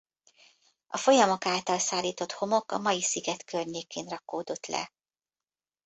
A folyamok által szállított homok a mai sziget környékén rakódott le.